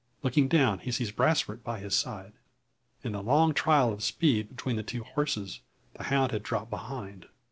Looking down he sees Brasfort by his side. In the long trial of speed between the two horses, the hound had dropped behind.